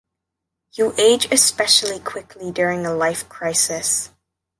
You age especially quickly during a life crisis.